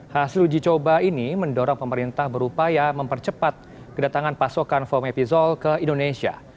hasil uji coba ini mendorong pemerintah berupaya mempercepat kedatangan pasokan fomepizol ke indonesia